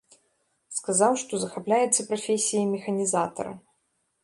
Сказаў, што захапляецца прафесіяй механізатара.